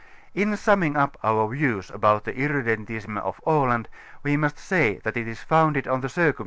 In summing up our views about the irredentism of Aland, we must say that it is founded on circum.'